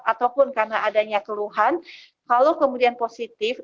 ataupun karena adanya keluhan kalau kemudian positif